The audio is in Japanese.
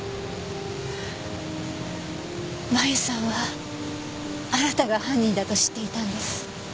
麻由さんはあなたが犯人だと知っていたんです。